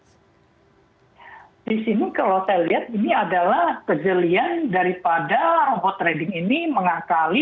di sini kalau saya lihat ini adalah kejelian daripada robot trading ini mengakali